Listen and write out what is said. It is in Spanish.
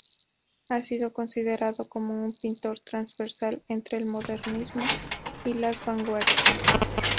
Ha sido considerado como un pintor transversal entre el modernismo y las vanguardias.